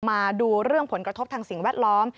มาดูเรื่องผลกระทบทางสิ่งแวดล้อม